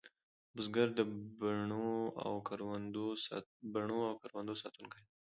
بزګر د بڼو او کروندو ساتونکی دی